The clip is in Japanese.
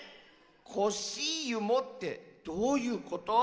コッシーユもってどういうこと？